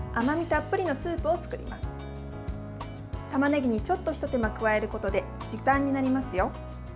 たまねぎに、ちょっとひと手間加えることで時短になりますよ。